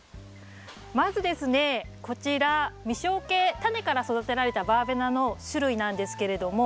タネから育てられたバーベナの種類なんですけれども。